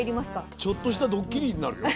ちょっとしたドッキリになるよ。